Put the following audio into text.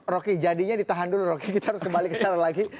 rocky jadinya ditahan dulu rocky kita harus kembali ke sana lagi